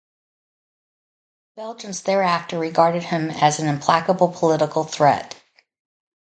The Belgians thereafter regarded him as an implacable political threat.